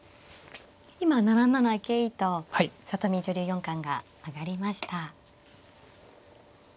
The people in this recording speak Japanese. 今７七桂と里見女流四冠が上がりました。